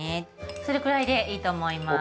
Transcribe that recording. それくらいでいいと思います。